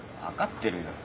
分かってるよ。